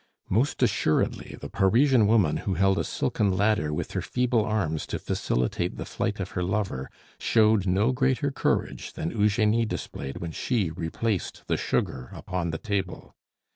Most assuredly, the Parisian woman who held a silken ladder with her feeble arms to facilitate the flight of her lover, showed no greater courage than Eugenie displayed when she replaced the sugar upon the table.